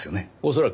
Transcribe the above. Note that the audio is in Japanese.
恐らく。